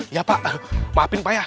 ya pak maafin pak ya